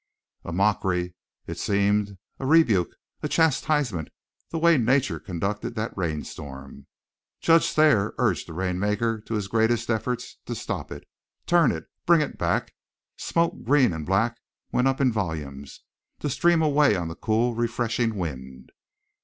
A mockery, it seemed, a rebuke, a chastisement, the way nature conducted that rain storm. Judge Thayer urged the rainmaker to his greatest efforts to stop it, turn it, bring it back; smoke green and black went up in volumes, to stream away on the cool, refreshing wind.